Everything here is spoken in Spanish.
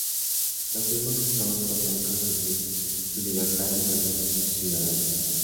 Los mismos esclavos, podían conseguir su libertad y volverse ciudadanos.